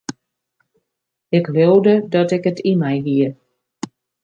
Ik leaude dat ik it yn my hie.